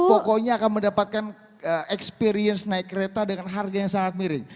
pokoknya akan mendapatkan experience naik kereta dengan harga yang sangat miring